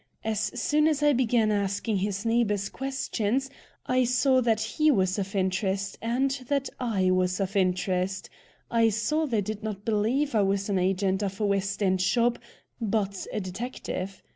As soon as I began asking his neighbors questions, I saw he was of interest and that I was of interest. I saw they did not believe I was an agent of a West End shop, but a detective.